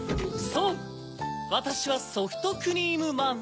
そうわたしはソフトクリームマン。